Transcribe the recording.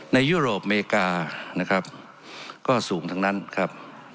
ยุโรปอเมริกานะครับก็สูงทั้งนั้นครับ